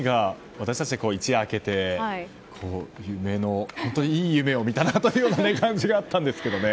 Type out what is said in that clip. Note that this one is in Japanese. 私たちは一夜明けていい夢を見たなという感じがあったんですけどね。